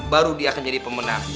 baru dia akan jadi pemenang